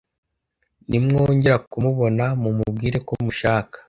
nimwongera kumubona mu mubwire ko mushaka